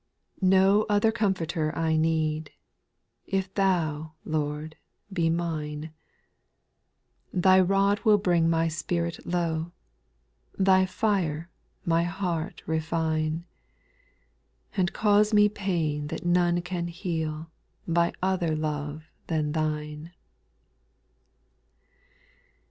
No other comforter I need, If Thou, Lord, be mine ;— Thy rod will bring my spirit low, Thy fire my heart refine, And cause me pain that none can heal By other love than Thine.